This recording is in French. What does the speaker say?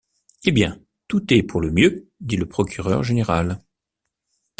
Hé bien, tout est pour le mieux, dit le procureur général.